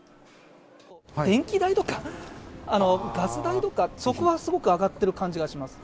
電気代とかガス代とか、そこがすごく上がってる感じがします。